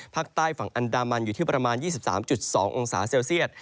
ภาคใต้ฝั่งอันดามันอยู่ที่ประมาณ๒๓๒องศาเซลเซียต